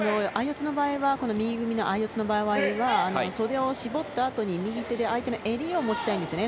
右組みの相四つの場合は袖を絞ったあとに右手で相手の襟を持ちたいんですよね。